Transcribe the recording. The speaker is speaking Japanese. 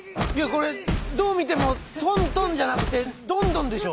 これどう見ても「とんとん」じゃなくて「どんどん」でしょ。